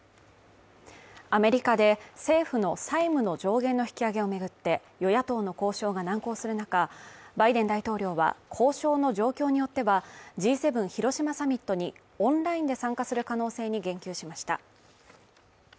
アメリカで政府の債務の上限の引き上げを巡って与野党の交渉が難航する中、バイデン大統領は交渉の状況によってはＧ７広島サミットにオンラインで参加する可能性に言及しました。